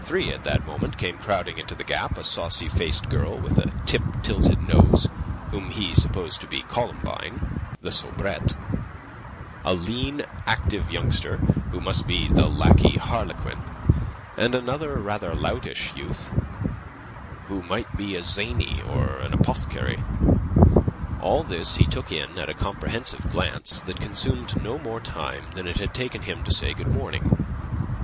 Three at that moment came crowding into the gap a saucy faced girl with a tip tilted nose, whom he supposed to be Columbine, the soubrette; a lean, active youngster, who must be the lackey Harlequin; and another rather loutish youth who might be a zany or an apothecary. All this he took in at a comprehensive glance that consumed no more time than it had taken him to say good morning.